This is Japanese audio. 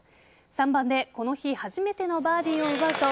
３番で、この日初めてのバーディーを奪うと